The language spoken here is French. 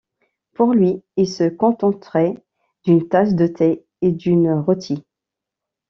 Pour lui, il se contenterait d’une tasse de thé et d’une rôtie.